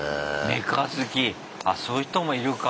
メカ好きあっそういう人もいるか。